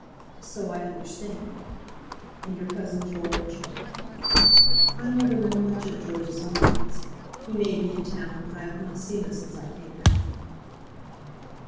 "So I understand; and your cousin George?" "I never know much of George's movements. He may be in Town, but I have not seen him since I came back."